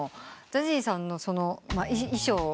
ＺＡＺＹさんのその衣装。